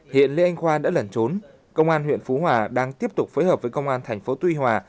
hiện lê anh khoa đã lẩn trốn công an huyện phú hòa đang tiếp tục phối hợp với công an thành phố tuy hòa